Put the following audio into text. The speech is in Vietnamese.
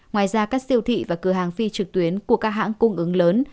ngoài ra các siêu thị và cửa hàng phi trực tuyến của các hãng cung ứng lớn